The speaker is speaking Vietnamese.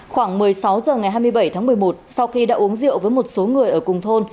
khoảng một mươi sáu h ngày hai mươi bảy tháng một mươi một sau khi đã uống rượu với một số người ở cùng thôn